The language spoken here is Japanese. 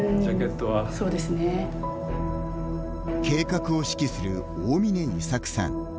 計画を指揮する大峯伊索さん。